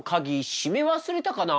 しめ忘れたかな？